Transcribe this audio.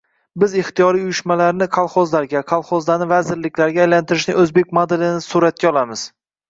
biz ixtiyoriy uyushmalarni kolxozga, kolxozni vazirlikka aylantirishning o'zbek modelini suratga olamiz